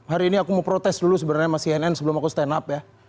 hari ini aku mau protes dulu sebenarnya sama cnn sebelum aku stand up ya